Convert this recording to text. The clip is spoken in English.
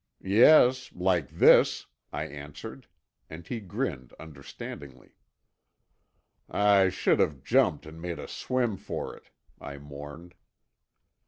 "Yes—like this," I answered, and he grinned understandingly. "I should have jumped and made a swim for it," I mourned.